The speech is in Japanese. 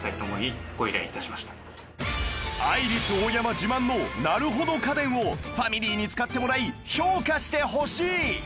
自慢のなるほど家電をファミリーに使ってもらい評価してほしい！